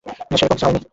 সেরকম কিছু হয়নি।